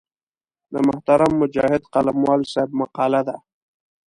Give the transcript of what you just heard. د محترم مجاهد قلموال صاحب مقاله ده.